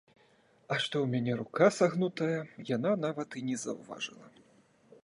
А што ў мяне рука сагнутая, яна нават і не заўважыла.